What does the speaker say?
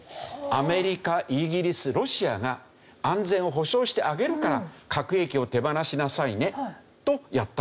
アメリカイギリスロシアが安全を保障してあげるから核兵器を手放しなさいねとやったんですよ。